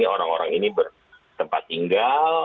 orang orang ini bertempat tinggal